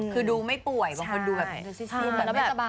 คือดูไม่ป่วยบางคนดูแบบแล้วไม่สบาย